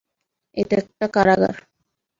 এটা একটা কারাগার।